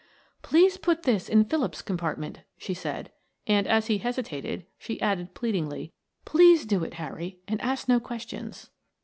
"Please put this in Philip's compartment," she said, and as he hesitated, she added pleadingly, "Please do it, Harry, and ask no questions."